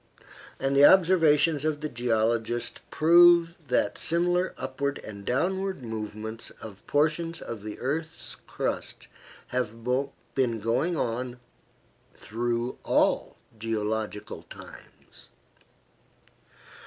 And the observations of the geologist prove that similar upward and downward movements of portions of the earth's crust have been going on through all geological times.